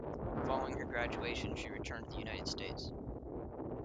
Following her graduation, she returned to the United States.